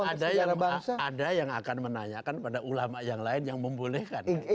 ada yang akan menanyakan pada ulama yang lain yang membolehkan